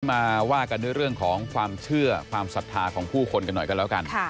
มาว่ากันด้วยเรื่องของความเชื่อความศรัทธาของผู้คนกันหน่อยกันแล้วกัน